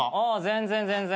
全然全然。